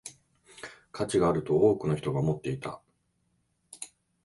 価値があると多くの人が思っていた